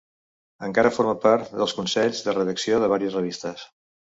Encara forma part dels consells de redacció de varies revistes.